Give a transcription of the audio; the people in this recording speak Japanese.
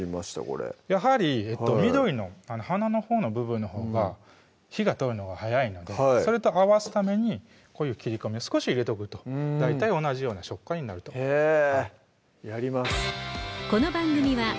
これやはり緑の花の部分のほうが火が通るのが早いのでそれと合わすためにこういう切り込みを少し入れとくと大体同じような食感になるとへぇやります